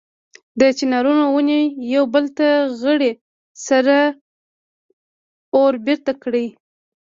د چنارونو ونې یو بل ته غړۍ سره وربېرته کړي.